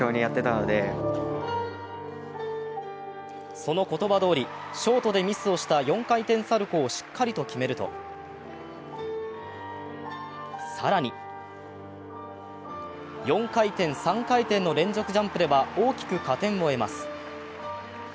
その言葉どおり、ショートでミスをした４回転サルコウをしっかりと決めると更に４回転、３回転の連続ジャンプでは大きく加点を得ます。